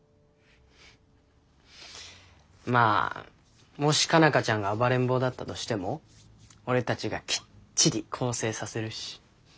まあもし佳奈花ちゃんが暴れん坊だったとしても俺たちがきっちり更生させるし。